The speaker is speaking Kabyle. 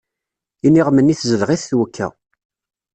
Iniɣem-nni tezdeɣ-it twekka.